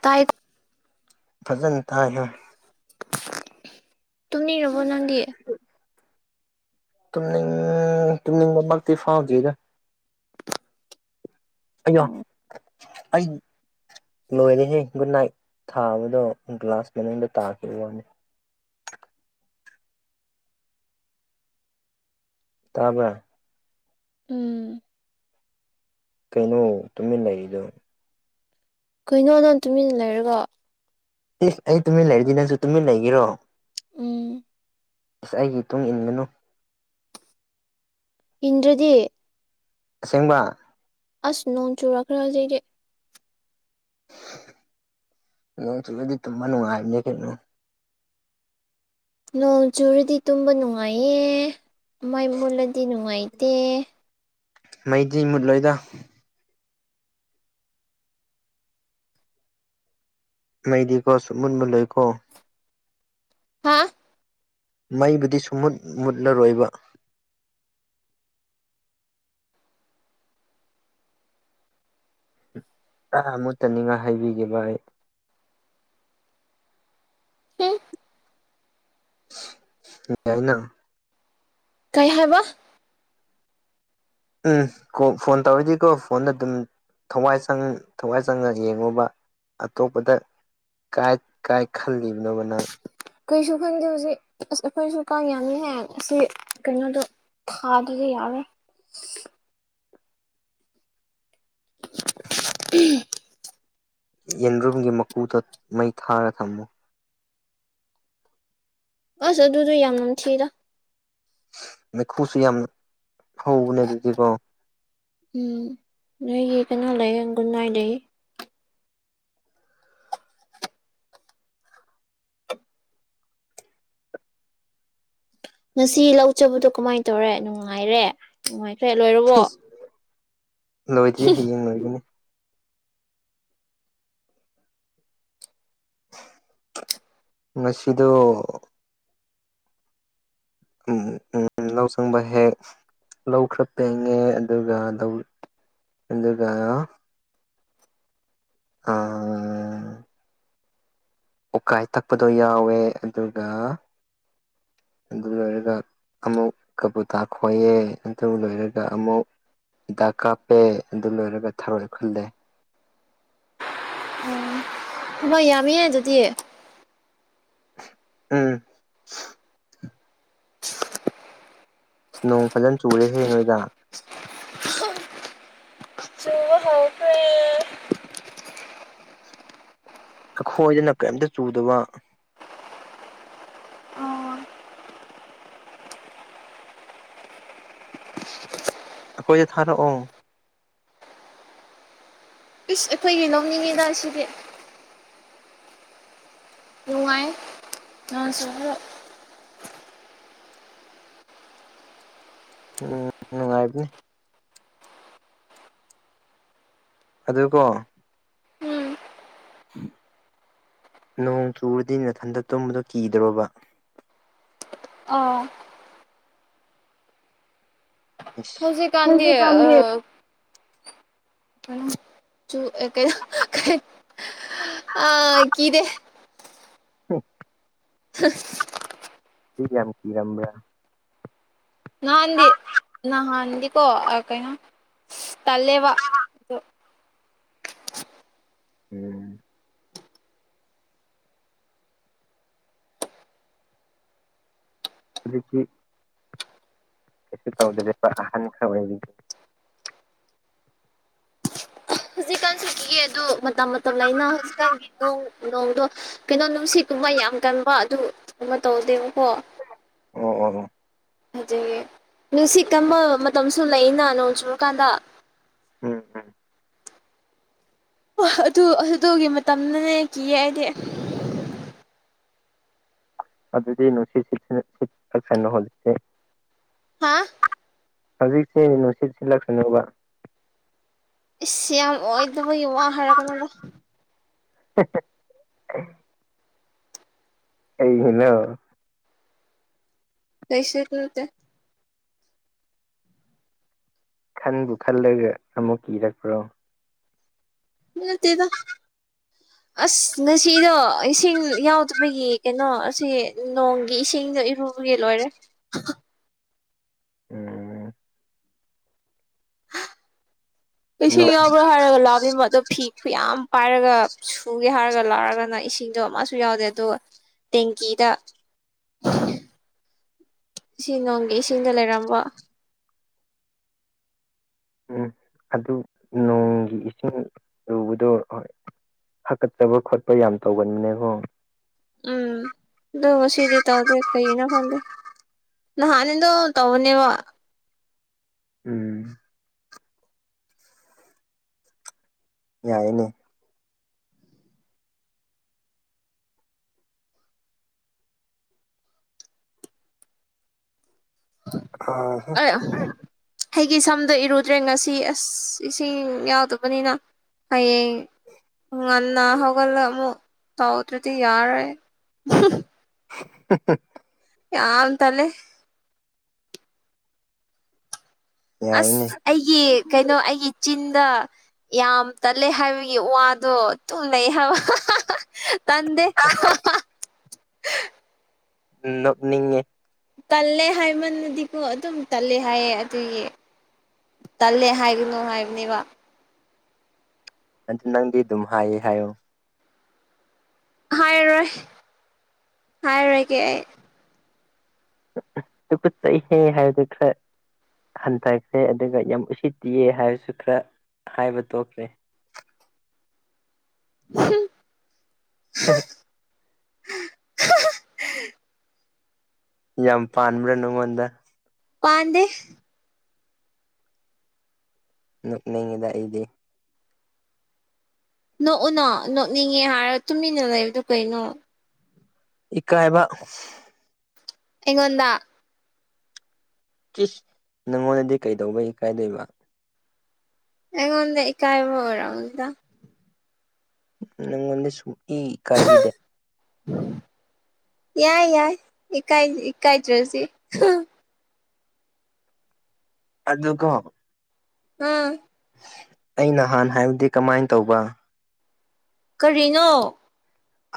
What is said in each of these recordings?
ꯇꯥꯏꯌꯦ ꯐꯖꯅ ꯇꯥꯏꯍꯥ ꯇꯨꯃꯤꯔꯕꯣ ꯅꯪꯗꯤ ꯇꯨꯝꯅꯤꯡ ꯇꯨꯝꯅꯤꯡꯕꯃꯛꯇꯤ ꯐꯥꯎꯗ꯭ꯔꯤꯗ ꯑꯩꯌ ꯑꯩ ꯂꯣꯏꯔꯦꯍꯦ ꯒꯨꯗ ꯅꯥꯏꯠ ꯊꯥꯕꯗꯣ ꯒ꯭ꯂꯥꯁ ꯃꯅꯨꯡꯗ ꯇꯥꯈꯤꯕ ꯋꯥꯅꯦ ꯇꯥꯕꯔꯥ ꯎꯝ ꯀꯩꯅꯣ ꯇꯨꯃꯤꯟ ꯂꯩꯔꯤꯗꯣ ꯀꯩꯅꯣ ꯅꯪ ꯇꯨꯃꯤꯟ ꯂꯩꯔꯒ ꯑꯦ ꯑꯩ ꯇꯨꯃꯤꯟ ꯂꯩꯔꯗꯤ ꯅꯪꯁꯨ ꯇꯨꯃꯤꯟ ꯂꯩꯒꯦꯔꯣ ꯎꯝ ꯏꯁ ꯑꯩꯒꯤ ꯏꯇꯨꯡ ꯏꯟꯒꯅꯨ ꯏꯟꯗ꯭ꯔꯗꯤ ꯑꯁꯦꯡꯕ ꯑꯁ ꯅꯣꯡ ꯆꯨꯨꯔꯛꯈ꯭ꯔꯦ ꯍꯧꯖꯤꯛꯗꯤ ꯅꯣꯡ ꯆꯨꯔꯗꯤ ꯇꯨꯝꯕ ꯅꯨꯡꯉꯥꯏꯕꯅꯦ ꯀꯩꯅ ꯅꯣꯡ ꯆꯨꯨꯔꯗꯤ ꯇꯨꯝꯕ ꯅꯨꯡꯉꯥꯏꯌꯦ ꯃꯩ ꯃꯨꯠꯂꯗꯤ ꯅꯨꯡꯉꯥꯏꯇꯦ ꯃꯩꯗꯤ ꯃꯨꯠꯂꯣꯏꯗ ꯃꯩꯗꯤꯀꯣ ꯁꯨꯡꯃꯨꯠ ꯃꯨꯠꯂꯣꯏꯀꯣ ꯍꯥ ꯃꯩꯕꯨꯗꯤ ꯁꯨꯝ ꯃꯨꯠ ꯃꯨꯠꯂꯔꯣꯏꯕ ꯑꯥ ꯑꯃꯨꯠꯇꯅꯤꯡꯉꯥꯏ ꯍꯥꯏꯕꯤꯒꯦꯕ ꯑꯩ [unintelligible] [unintelligible] ꯀꯩ ꯍꯥꯏꯕ ꯎꯝ ꯀꯣ ꯐꯣꯟ ꯇꯧꯔꯗꯤꯀꯣ ꯐꯣꯟꯗ ꯑꯗꯨꯝ ꯊꯋꯥꯏ ꯆꯪ ꯊꯋꯥꯏ ꯆꯪꯉ ꯌꯦꯡꯉꯨꯕ ꯑꯇꯣꯞꯄꯗ ꯀꯥꯏ ꯀꯥꯏ ꯈꯜꯂꯤꯕꯅꯣꯕ ꯅꯪ ꯀꯩꯁꯨ ꯈꯟꯗꯦ ꯍꯧꯖꯤꯛ ꯑꯁ ꯑꯩꯈꯣꯏꯁꯨ ꯀꯥꯡ ꯌꯥꯃꯤꯍꯦ ꯑꯁꯤ ꯀꯩꯅꯣꯗꯣ ꯊꯥꯗ꯭ꯔꯗꯤ ꯌꯥꯔꯣꯏ ꯌꯦꯟꯗ꯭ꯔꯨꯝꯒꯤ ꯃꯀꯨꯗ ꯃꯩ ꯊꯥꯔ ꯊꯝꯃꯨ ꯑꯥꯁ ꯑꯗꯨꯗꯨ ꯌꯥꯝ ꯅꯝꯊꯤꯗ ꯃꯩꯈꯨꯨꯁꯨ ꯌꯥꯝ ꯍꯧꯕꯅꯦ ꯑꯗꯨꯗꯤꯀꯣ ꯎꯝ ꯅꯣꯏꯒꯤ ꯀꯩꯅꯣ ꯂꯩꯌꯦ ꯒꯨꯗ ꯅꯥꯏꯠ ꯂꯩꯌꯦ ꯉꯁꯤ ꯂꯧꯖꯕꯗꯣ ꯀꯃꯥꯏꯅ ꯇꯧꯔꯦ ꯅꯨꯡꯉꯥꯏꯔꯦ ꯅꯨꯡꯉꯥꯏꯈ꯭ꯔꯦ ꯂꯣꯏꯔꯕꯣ ꯏꯁ ꯂꯣꯏꯗ꯭ꯔꯤ ꯍꯌꯦꯡ ꯂꯣꯏꯒꯅꯤ ꯉꯁꯤꯗꯣ ꯎꯝ ꯎꯝ ꯂꯧ ꯆꯪꯕ ꯍꯦꯛ ꯂꯧ ꯈꯔ ꯄꯦꯡꯉꯦ ꯑꯗꯨꯒ ꯂꯧ ꯑꯗꯨꯒ ꯑꯥ ꯎꯀꯥꯏ ꯇꯛꯄꯗꯣ ꯌꯥꯎꯋꯦ ꯑꯗꯨꯒ ꯑꯗꯨ ꯂꯣꯏꯔꯒ ꯑꯃꯨꯛ ꯀꯕꯨꯇꯥꯥ ꯈꯣꯏꯌꯦ ꯑꯗꯨ ꯂꯣꯏꯔꯒ ꯑꯃꯨꯛ ꯍꯤꯗꯥꯛ ꯀꯥꯞꯄꯦ ꯑꯗꯨ ꯂꯣꯏꯔꯒ ꯊꯥꯔꯣꯏ ꯈꯨꯜꯂꯦ ꯊꯕꯛ ꯌꯥꯝꯃꯤꯌꯦ ꯑꯗꯨꯗꯤ ꯎꯝ ꯅꯣꯡ ꯐꯖꯅ ꯆꯨꯔꯦ ꯍꯦ ꯅꯣꯏꯗ ꯆꯨꯕ ꯍꯥꯎꯈ꯭ꯔꯦ ꯑꯈꯣꯏꯗꯅ ꯀꯩꯝꯇ ꯆꯨꯗꯕ ꯑꯩꯈꯣꯏꯗ ꯊꯥꯔꯛꯑꯣ ꯏꯁ ꯑꯩꯈꯣꯏꯒꯤ ꯅꯣꯛꯅꯤꯡꯉꯤꯗ ꯁꯤꯗꯤ ꯅꯨꯡꯉꯥꯏ ꯅꯣꯡꯁꯨꯕꯗꯣ ꯎꯝ ꯅꯨꯡꯉꯥꯏꯕꯅꯤ ꯑꯗꯨꯀꯣ ꯎꯝ ꯅꯣꯡ ꯆꯨꯨꯔꯗꯤ ꯅꯊꯟꯗ ꯇꯨꯝꯕꯗꯣ ꯀꯤꯗ꯭ꯔꯣꯕ ꯑ ꯏꯁ ꯍꯧꯖꯤꯛ ꯀꯥꯟꯗꯤ ꯑ [unintelligible] ꯀꯩꯩꯅꯣ ꯀꯩ ꯑ ꯀꯤꯗꯦ ꯑꯣ ꯍꯨ ꯗꯤ ꯌꯥꯝ ꯀꯤꯔꯝꯕ꯭ꯔꯥ ꯅꯍꯥꯟꯗꯤ ꯅꯍꯥꯟꯗꯤꯀꯣ ꯑ ꯀꯩꯅꯣ ꯇꯂꯦꯕ ꯎꯝ ꯍꯧꯖꯤꯛꯇꯤ ꯀꯩꯁꯨ ꯇꯧꯗ꯭ꯔꯦꯕ ꯑꯍꯥꯟꯕ ꯈꯔ ꯑꯣꯏꯔꯤ ꯍꯧꯖꯤꯛ ꯀꯥꯟꯁꯤ ꯀꯤꯌꯦ ꯑꯗꯨ ꯃꯇꯝ ꯃꯇꯝ ꯂꯩꯅ ꯍꯧꯖꯤꯛꯀꯥꯟꯒꯤ ꯅꯣꯡ ꯅꯣꯡꯗꯣ ꯀꯩꯅꯣ ꯅꯨꯡꯁꯤꯠꯀꯨꯝꯕ ꯌꯥꯝ ꯀꯟꯕ ꯑꯗꯨꯒꯨꯝꯕ ꯇꯧꯗꯦꯕꯀꯣ ꯑꯣ ꯑꯣ ꯑꯣ ꯩ ꯅꯨꯡꯁꯤꯠ ꯀꯟꯕ ꯃꯇꯝꯁꯨ ꯂꯩꯌꯦꯅ ꯅꯣꯡ ꯆꯨꯔꯀꯥꯟꯗ ꯎꯝ ꯎꯝ ꯍꯥ ꯑꯗꯨ ꯑꯗꯨꯗꯨꯒꯤ ꯃꯇꯝꯅꯅꯦ ꯀꯤꯌꯦ ꯑꯩꯗꯤ ꯑꯗꯨꯗꯤ ꯅꯨꯡꯁꯤꯠ ꯁꯤꯠ ꯁꯤꯠꯄ [unintelligible] ꯍꯧꯖꯤꯛꯁꯦ ꯍꯥꯥ ꯍꯧꯖꯤꯛꯁꯦ ꯅꯨꯡꯁꯤꯠ ꯁꯤꯜꯂꯛꯁꯅꯨꯕ ꯏꯁ ꯌꯥꯝ ꯑꯣꯏꯇꯕꯒꯤ ꯋꯥ ꯍꯥꯏꯔꯛꯀꯅꯨꯗ ꯍꯦ ꯍꯦ ꯀꯩ ꯍꯩꯅꯧ [unintelligible] ꯈꯟꯕꯨ ꯈꯜꯂꯒ ꯑꯃꯨꯛ ꯀꯤꯔꯛꯄ꯭ꯔꯣ ꯅꯠꯇꯦꯗ ꯑꯁ ꯉꯁꯤꯗꯣ ꯏꯁꯤꯡ ꯌꯥꯎꯗꯕꯒꯤ ꯀꯩꯅꯣ ꯑꯁꯤ ꯅꯣꯡꯒꯤ ꯏꯁꯤꯡꯗꯣ ꯏꯔꯨ ꯑꯗꯨꯒꯤ ꯂꯣꯏꯔꯦ ꯎꯝ ꯅꯣꯡ ꯏꯁꯤꯡ ꯌꯥꯎꯕ꯭ꯔꯥ ꯍꯥꯏꯔꯒ ꯂꯥꯕꯤꯕ ꯑꯗꯨꯝ ꯐꯤ ꯈꯨꯌꯥꯝ ꯄꯥꯏꯔꯒ ꯁꯨꯒꯦ ꯍꯥꯏꯔꯒ ꯂꯥꯛꯔꯒꯅ ꯏꯁꯤꯡꯗꯣ ꯑꯃꯁꯨ ꯌꯥꯎꯗꯦ ꯑꯗꯨꯒ ꯇꯦꯡꯀꯤꯗ ꯁꯤ ꯅꯣꯡꯒꯤ ꯏꯁꯤꯡꯗ ꯂꯩꯔꯝꯕ ꯎꯝ ꯑꯗꯨ ꯅꯣꯡꯒꯤ ꯏꯁꯤꯡ ꯂꯨꯕꯗꯣ ꯍꯣꯏ ꯍꯥꯀꯠꯆꯕ ꯈꯣꯠꯄ ꯌꯥꯝ ꯇꯧꯒꯟꯕꯅꯦꯀꯣ ꯎꯝ ꯗꯁꯤꯗꯤ ꯇ ꯑꯣꯗ ꯀꯩꯅ ꯐꯪ ꯅꯍꯥꯟ ꯑꯗꯣ ꯇꯧꯕꯅꯦꯕ ꯎꯝ ꯌꯥꯏꯅꯦ ꯑ ꯑꯩꯒꯤ ꯁꯝꯗ ꯏꯔꯨꯗ꯭ꯔꯦ ꯉꯁꯤ ꯑꯁ ꯏꯁꯤꯡ ꯌꯥꯎꯗꯕꯅꯤꯅ ꯍꯌꯦ ꯎ ꯉꯟꯅ ꯍꯒꯂꯠꯂꯥ ꯑꯃꯨꯛ ꯇꯥꯎꯗ꯭ꯔꯦꯗꯤ ꯌꯥꯔꯦ [unintelligible] ꯌꯥꯝ ꯇꯜꯂꯦ ꯌꯥꯏꯅꯦ ꯑꯁ ꯑꯩꯒꯤ ꯀꯩꯅꯣ ꯑꯩꯒꯤ ꯆꯤꯟꯗ ꯌꯥꯝ ꯇꯠꯂꯦ ꯍꯥꯏꯕꯒꯤ ꯋꯥꯗꯣ ꯇꯨꯝꯅꯩ ꯍꯥꯏꯕ ꯇꯟꯗꯦ ꯑꯍꯥꯍ ꯅꯣꯛꯅꯤꯡꯉꯦ ꯇꯜꯂꯦ ꯍꯥꯏꯃꯟꯅꯗꯤꯀꯣ ꯑꯗꯨꯝ ꯇꯜꯂꯦ ꯍꯥꯏꯌꯦ ꯑꯗꯨꯒꯤ ꯇꯜꯂꯦ ꯍꯥꯏꯒꯅꯨ ꯍꯥꯏꯕꯅꯦꯕ ꯑꯗꯨ ꯅꯪꯗꯤ ꯑꯗꯨꯝ ꯍꯥꯏꯌꯦ ꯍꯥꯏꯌꯣ ꯍꯥꯏꯔꯣꯏ ꯍꯥꯏꯔꯣꯏꯒꯦ ꯑꯩ ꯇꯨꯒꯠꯆꯩꯍꯦ ꯍꯥꯏꯕꯤꯈ꯭ꯔꯦ ꯍꯟꯊꯈ꯭ꯔꯦ ꯑꯗꯨꯒ ꯌꯥꯝ ꯎꯁꯤꯠꯇꯤꯑ ꯍꯥꯏꯕꯁꯨ ꯈꯔ ꯍꯥꯏꯕ ꯇꯣꯛꯈ꯭ꯔꯦ ꯍꯝ [inaudible] ꯑ ꯑꯍꯍ ꯌꯥꯝ ꯄꯥꯟꯕ꯭ꯔꯥ ꯅꯉꯣꯟꯗ ꯄꯥꯟꯗꯦ [unintelligible] ꯅꯣꯛꯎꯅꯣ ꯅꯣꯛꯅꯤꯡꯉꯦ ꯍꯥꯏꯔ ꯇꯨꯃꯤꯟꯅ ꯂꯩꯕꯗꯨ ꯀꯩꯅꯣ ꯏꯀꯥꯏꯕ ꯑꯩꯉꯣꯟꯗꯥ ꯀꯤꯁ ꯅꯪꯉꯣꯟꯗꯗꯤ ꯀꯩꯗꯧꯕꯒꯤ ꯀꯥꯏꯗꯣꯏꯕ ꯑꯩꯉꯣꯟꯗ ꯏꯀꯥꯏꯕ ꯑꯣꯏꯔꯝꯅꯤꯗ ꯅꯪꯉꯣꯟꯗ ꯁꯨꯝ ꯏ ꯀꯥꯏꯕꯤꯗꯦ ꯌꯥꯏ ꯌꯥꯏ ꯏꯀꯥꯏ ꯏꯀꯥꯏ ꯗ꯭ꯔꯁꯤ ꯑꯗꯨ ꯀꯣ ꯎꯝ ꯑꯩ ꯅꯍꯥꯟ ꯍꯥꯏꯕꯗꯤ ꯀꯃꯥꯏꯅ ꯇꯧꯕ ꯀꯔꯤꯅꯣ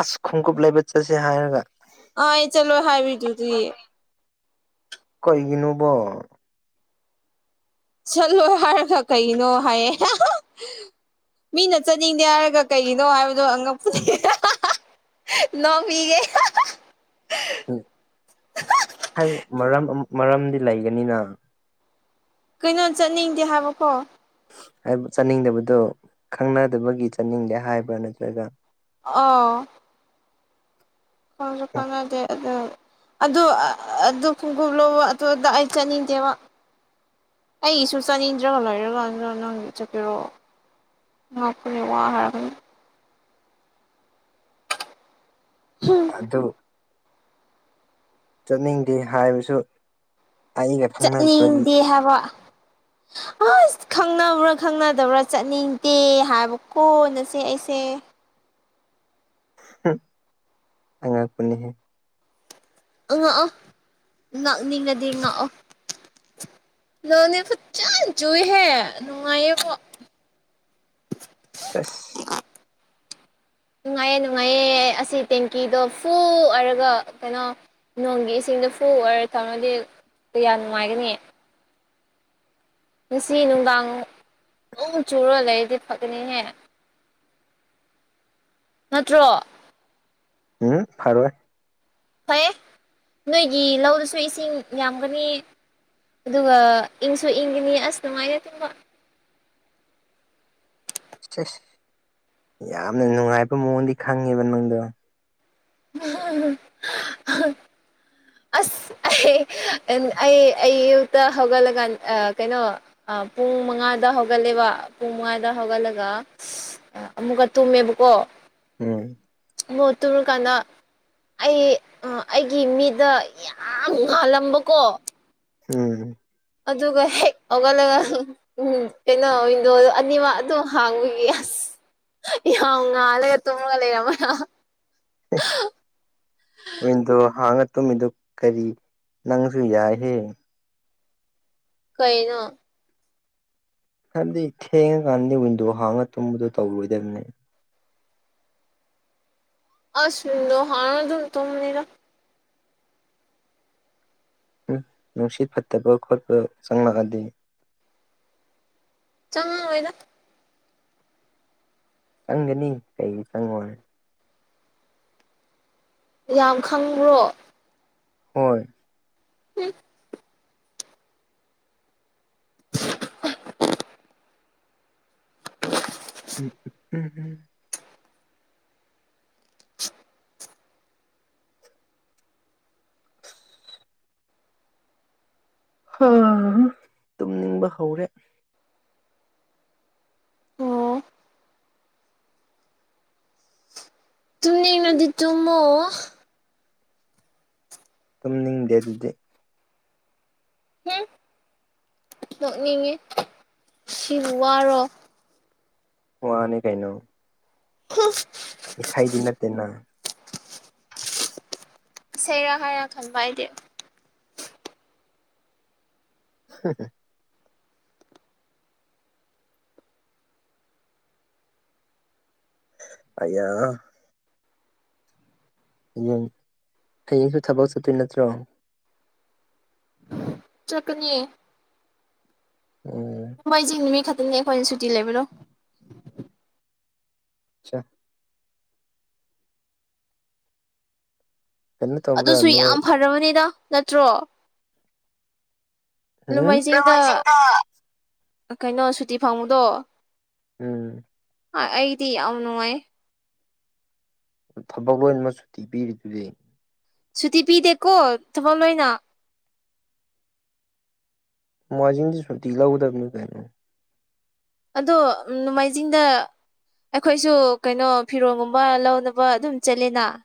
ꯑꯁ ꯈꯣꯡꯎꯞꯞ ꯂꯩꯕ ꯆꯠꯁꯦ ꯍꯥꯏꯔꯒ ꯑ ꯑꯩ ꯆꯠꯂꯣꯏ ꯍꯥꯏꯕꯤꯗꯨꯗꯤ ꯀꯩꯒꯤꯅꯣꯕ ꯆꯠꯂꯣ ꯍꯥꯏꯔꯒ ꯀꯩꯒꯤꯅꯣ ꯍꯥꯏꯌꯦ ꯍꯥ ꯍꯥ ꯃꯤꯅ ꯆꯠꯅꯤꯡꯗꯦ ꯍꯥꯏꯔꯒ ꯀꯩꯒꯤꯅꯣ ꯍꯥꯏꯕꯗꯣ ꯑꯉꯛꯄꯅꯤ ꯍꯥꯍꯥꯍꯥ ꯅꯣꯡꯄꯤꯒꯦ ꯎꯝ ꯍꯥꯏꯔꯛꯑꫭ ꯃꯔꯝ ꯃꯔꯝꯗꯤ ꯂꯩꯒꯅꯤꯅ ꯀꯩꯅꯣ ꯆꯠꯅꯤꯡꯗꯦ ꯍꯥꯏꯕꯀꯣ ꯍꯥꯏ ꯆꯠꯅꯤꯡꯗꯕꯗꯣ ꯈꯪꯅꯗꯕꯒꯤ ꯆꯠꯅꯤꯡꯗꯦ ꯍꯥꯏꯕ꯭ꯔꯥ ꯅꯠꯇ꯭ꯔꯒ ꯑꯥ ꯈꯪꯁꯨ ꯈꯪꯅꯗꯦ ꯑꯗꯥ ꯑꯗꯨ ꯑꯗꯨ ꯈꯣꯡꯒꯣꯞ ꯂꯧꯕ ꯑꯗꯣꯝꯗ ꯑꯩ ꯆꯠꯅꯤꯡꯗꯦꯕ ꯑꯩꯒꯤꯁꯨ ꯆꯥꯅꯤꯗ꯭ꯔꯒ ꯂꯣꯏꯔꯒꯗ ꯅꯪꯒꯤ ꯆꯠꯄꯤꯔꯣꯑꯣ [unintelligible] ꯀꯔꯤ ꯋꯥ ꯍꯥꯏꯔꯥꯛꯀꯅꯤ ꯍꯝ ꯑꯗꫭ ꯆꯠꯅꯤꯡꯗꯦ ꯍꯥꯏꯕꯁꯨ ꯑꯩꯒ ꯈꯪꯅꯗꯕꯒꯤ ꯆꯠꯅꯤꯡꯗꯤ ꯍꯥꯏꯕ ꯑꯁ ꯈꯪꯅꯕ꯭ꯔꯥ ꯈꯪꯅꯗꯕ꯭ꯔꯥ ꯆꯠꯅꯤꯡꯗꯦ ꯍꯥꯏꯕ ꯀꯣ ꯅꯆꯦ ꯑꯩꯁꯦ ꯍꯝ ꯑꯉꯛꯄ ꯅꯤꯍꯦ ꯉꯛꯑꯣ ꯉꯥꯛꯅꯤꯡꯉꯗꯤ ꯉꯥꯛꯑꯣ ꯅꯣꯅꯦ ꯐꯖꯅꯥ ꯆꯨꯌꯦꯍꯦ ꯅꯨꯡꯉꯥꯏꯌꯦꯕꯣ ꯁꯦꯁ [unintelligible] ꯅꯨꯡꯉꯥꯏꯌꯦ ꯅꯨꯡꯉꯥꯏꯌꯦ ꯑꯁꯤ ꯇꯦꯡꯀꯤꯗꯣ ꯐꯨꯜ ꯑꯣꯏꯔꯒ ꯀꯩꯅꯣ ꯅꯣꯡꯒꯤ ꯏꯁꯤꯡꯗꯣ ꯐꯨ ꯑꯣꯏꯅꯥ ꯇꯧꯔꯗꯤ ꯀꯌꯥ ꯅꯨꯡꯉꯥꯏꯒꯅꯤ ꯉꯁꯤ ꯅꯨꯡꯗꯥꯡ ꯑꯗꯨꯝ ꯆꯨꯔ ꯂꯩꯔꯗꯤ ꯐꯒꯅꯤꯍꯦ ꯅꯠꯇ꯭ꯔꯣ ꯎꯝ ꯐꯔꯣꯏ ꯐꯩꯌꯦ ꯅꯣꯏꯒꯤ ꯂꯧꯗꯁꯨ ꯏꯁꯤꯡ ꯌꯥꯝꯒꯅꯤ ꯑꯗꯨꯒ ꯏꯪꯁꯨ ꯏꯪꯒꯅꯤ ꯑꯁ ꯅꯨꯡꯉꯥꯏꯌꯦ ꯇꯨꯝꯕ ꯑꯁ ꯌꯥꯝꯅ ꯅꯨꯡꯉꯥꯏꯕ ꯃꯑꯣꯡꯗꯤ ꯈꯪꯉꯦꯕ ꯅꯪꯗꯣ [unintelligible] ꯑꯁ ꯑꯩ ꯑꯩ ꯑꯌꯨꯛꯇ ꯍꯧꯒꯠꯂꯀꯥꯟ ꯀꯩꯅꯣ ꯑꯥ ꯄꯨꯡ ꯃꯉꯥꯗ ꯍꯧꯒꯠꯂꯦꯕ ꯄꯨꯡ ꯃꯉꯥꯗ ꯍꯧꯒꯠꯂꯒ ꯑꯃꯨꯛꯀ ꯇꯨꯝꯃꯦꯕꯀꯣ ꯎꯝ ꯃꯣꯠꯇꯨꯔ ꯀꯥꯟꯅꯥ ꯑꯩ ꯑꯩꯒꯤ ꯃꯤꯗ ꯌꯥꯝ ꯉꯜꯂꯝꯕꯀꯣ ꯎꯝ ꯑꯗꯨꯒ ꯍꯦꯛ ꯍꯧꯒꯠꯂꯒ ꯎꯝ ꯀꯩꯅꯣ ꯋꯤꯟꯗꯣꯗꯨ ꯑꯅꯤꯃꯛ ꯑꯗꯨꯝ ꯍꯥꯡꯕꯒꯤ ꯑꯁ ꯌꯥꯝ ꯉꯥꯜꯂꯦ ꯇꯨꯝꯃꯒ ꯂꯩꯔꯝꯃꯦ ꯅ ꯍꯦ [unintelligible] ꯋꯤꯟꯗꯣ ꯍꯥꯡꯉꯥ ꯇꯨꯝꯃꯤꯗꯨ ꯀꯔꯤ ꯅꯪꯁꯨ ꯌꯥꯏꯍꯦ ꯀꯩꯅꫭ ꯍꯥꯏꯕꯗꯤ ꯊꯦꯡꯉꯀꯥꯟꯗꯤ ꯋꯤꯟꯗꯣ ꯍꯥꯡꯉꯒ ꯇꯨꯝꯕꯗꯣ ꯇꯧꯔꯣꯏꯗꯕꯅꯦ ꯑꯁ ꯋꯤꯟꯗꯣ ꯍꯥꯡꯉ ꯗꯨꯝ ꯇꯨꯝꯅꯤꯗ ꯅꯨꯡꯁꯤꯠ ꯐꯠꯇꯕ ꯈꯣꯠꯄ ꯆꯪꯂꯛꯑꯗꯤ ꯆꯪꯉꯛꯑꯣꯏꯗ ꯆꯪꯒꯅꯤ ꯀꯩꯒꯤ ꯆꯪꯉꯣꯏ ꯌꯥꯝ ꯈꯪꯕ꯭ꯔꯣ ꯍꯣꯏ ꯍꯨꯝ [inaudible] ꯎꯝ ꯎꯝꯝ ꯇꯨꯝꯅꯤꯡꯕ ꯍꯧꯔꯦ ꯑꯣ ꯇꯨꯝꯅꯤꯡꯉꯗꯤ ꯇꯨꯃꯣ ꯇꯨꯝꯅꯤꯡꯗꯦ ꯑꯗꯨꯗꯤ ꯍꯝ ꯅꯣꯛꯅꯤꯡꯉꯤ ꯁꯤꯕꯨ ꯋꯥꯔꯣ ꯋꯥꯅꯤ ꯀꯩꯅꯣ ꯍ ꯏꯁꯩꯗꯤ ꯅꯠꯇꯦꯅ ꯁꯩꯔ ꯍꯥꯏꯔꯥ ꯈꯟꯕ ꯑꯩꯗꯤ ꯍꯦ ꯍꯦ ꯑꯌꯥ ꯍꯌꯦꯡ ꯍꯌꯦꯡꯁꯨ ꯊꯕꯛ ꯆꯠꯇꯣꯏ ꯅꯠꯇ꯭ꯔꯣ ꯆꯠꯀꯥꯅꯤ ꯎꯝ ꯍꯣꯏꯁꯦ ꯅꯨꯃꯤꯠ ꯈꯛꯇꯅꯤ ꯑꯈꯣꯏꯅ ꯁꯨꯇꯤ ꯂꯩꯕꯗꯣ ꯑꯆꯥ ꯀꯩꯅꯣ ꯇꯧꯕ꯭ꯔꯥ ꯑꯗꯨꯁꯨ ꯅꯣꯏ ꯌꯥꯝ ꯐꯔꯕꯅꯦꯗ ꯅꯠꯇ꯭ꯔꯣ ꯎꯝ ꯂꯨꯝꯃꯥꯏꯖꯤꯡꯗ ꯀꯩꯅꯣ ꯁꯨꯇꯤ ꯐꯪꯕꯗꯣ ꯎꯝ ꯑꯥꯏ ꯑꯩꯗꯤ ꯌꯥꯝ ꯅꯨꯡꯉꯥꯏ ꯊꯕꯛ ꯂꯣꯏꯅꯃꯛ ꯁꯨꯇꯤ ꯄꯤꯔꯤꯗꯨꯗꯤ ꯁꯨꯇꯤ ꯄꯤꯗꯦꯀꯣ ꯊꯕꯥꯛ ꯂꯣꯏꯅ ꯅꯣꯡꯃꯥꯏꯖꯤꯡꯁꯤ ꯁꯨꯇꯤ ꯂꯧꯗꯕꯤꯅꯤ ꯀꯩꯅꯣ ꯑꯗꯣ ꯅꯣꯡꯃꯥꯏꯖꯤꯡꯗ ꯑꯩꯈꯣꯏꯁꯨ ꯀꯩꯅꯣ ꯐꯤꯔꯣꯜꯒꯨꯝꯕ ꯂꯧꯅꯕ ꯑꯗꯨꯝ ꯆꯠꯂꯤꯅ